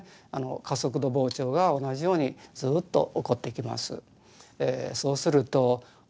加速度膨張が同じようにずっと起こってきます。